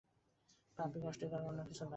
পাপই কষ্টের কারণ, আর অন্য কিছু নয়।